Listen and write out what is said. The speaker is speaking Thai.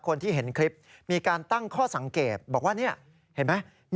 คนที่เห็นคลิปมีการตั้งข้อสังเกตบอกว่านี่เห็นไหม